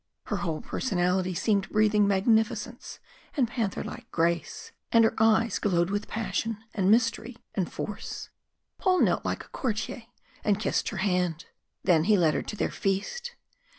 Her whole personality seemed breathing magnificence and panther like grace. And her eyes glowed with passion, and mystery, and force. Paul knelt like a courtier, and kissed her hand. Then he led her to their feast.